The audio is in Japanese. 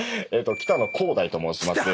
北野昂大と申します。